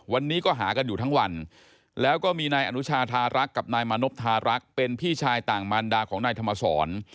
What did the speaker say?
วันนี้ก็หากันอยู่ทั้งวันแล้วก็มีนายอนุชาธารักษ์กับนายมานพทารักษ์เป็นพี่ชายต่างมารดาของนายธรรมสร